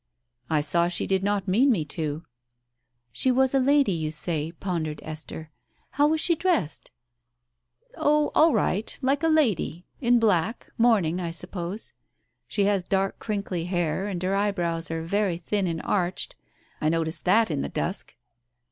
"I saw she did not mean me to." "She was a lady, you say," pondered Esther. "How was she dressed ?" "Oh, all right, like a lady — in black — mourning, I suppose. She has dark crinkly hair, and her eyebrows are very thin and arched — I noticed that in the dusk."